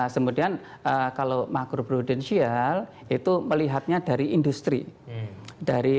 kemudian kalau makro prudensial itu melihatnya dari industri